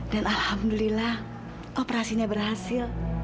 dan alhamdulillah operasinya berhasil